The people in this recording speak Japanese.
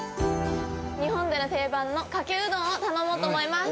日本での定番のかけうどんを頼もうと思います